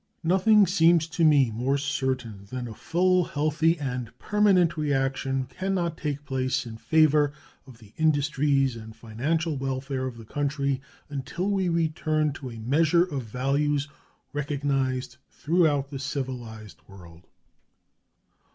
Nothing seems to me more certain than that a full, healthy, and permanent reaction can not take place in favor of the industries and financial welfare of the country until we return to a measure of values recognized throughout the civilized world.